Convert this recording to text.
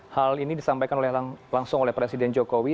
hal ini disampaikan langsung oleh presiden jokowi